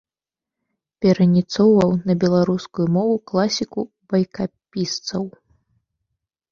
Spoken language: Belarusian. Пераніцоўваў на беларускую мову класікаў-байкапісцаў.